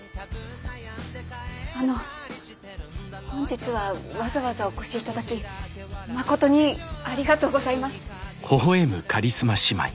あの本日はわざわざお越し頂き誠にありがとうございます。